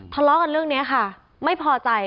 ทะเลาะกันเรื่องนี้ค่ะไม่พอใจ